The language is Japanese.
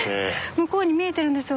向こうに見えてるんですよね